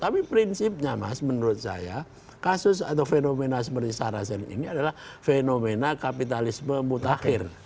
tapi prinsipnya mas menurut saya kasus atau fenomena seperti sarasen ini adalah fenomena kapitalisme mutakhir